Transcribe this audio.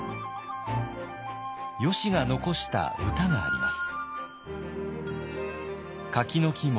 よしが残した歌があります。